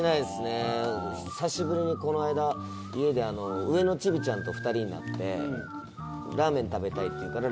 久しぶりにこの間家で上のちびちゃんと２人になって「ラーメン食べたい」って言うから。